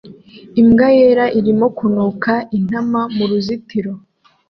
Imbwa yera irimo kunuka intama mu ruzitiro